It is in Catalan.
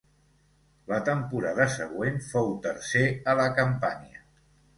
La temporada següent fou tercer a la Campània.